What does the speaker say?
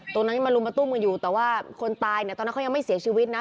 ตรงนั้นยังมาลุมมาตุ้มกันอยู่แต่ว่าคนตายเนี่ยตอนนั้นเขายังไม่เสียชีวิตนะ